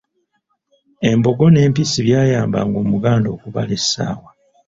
Embogo n'empisi byayambanga Omuganda okubala essaawa.